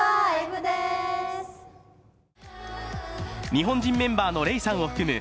日本人メンバーのレイさんを含む